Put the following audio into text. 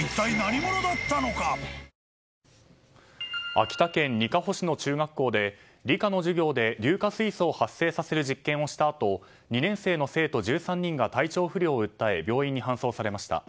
秋田県にかほ市の中学校で理科の授業で硫化水素を発生させる実験をしたあと２年生の生徒１３人が体調不良を訴え病院に搬送されました。